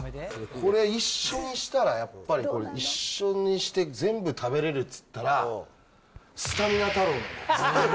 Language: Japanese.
これ、一緒にしたら、これ、一緒にして、全部食べれるっつったら、すたみな太郎なのよ。